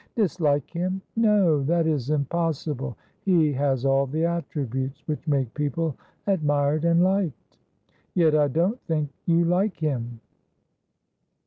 ' Dislike him ! No, that is impossible. He has all the attributes which make people admired and liked.' ' Yet I don't think you like him.'